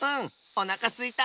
おなかすいた。